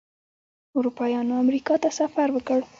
اروپایانو امریکا ته سفر وکړ.